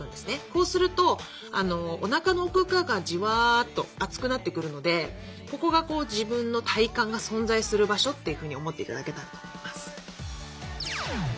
こうするとおなかの奥側からジワーッと熱くなってくるのでここが自分の体幹が存在する場所というふうに思って頂けたらと思います。